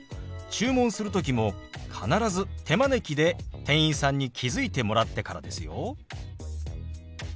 注文する時も必ず手招きで店員さんに気付いてもらってからですよ。